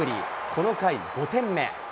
この回５点目。